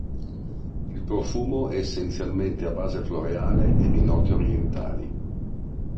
Il profumo è essenzialmente a base floreale e di note orientali.